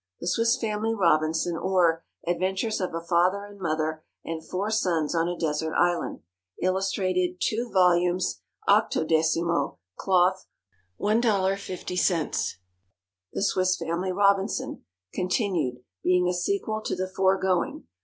The Swiss Family Robinson; or, Adventures of a Father and Mother and Four Sons on a Desert Island. Illustrated. 2 vols., 18mo, Cloth, $1.50. The Swiss Family Robinson Continued: being a Sequel to the Foregoing.